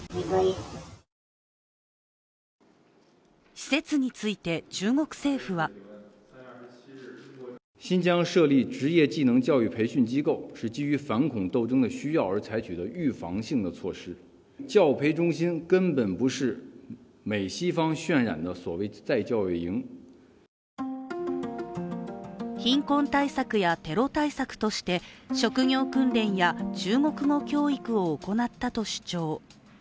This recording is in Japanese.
施設について中国政府は貧困対策やテロ対策として職業訓練や中国語教育を行ったと主張。